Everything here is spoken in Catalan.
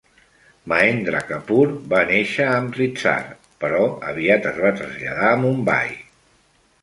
Mahendra Kapoor va néixer a Amritsar, però aviat es va traslladar a Mumbai.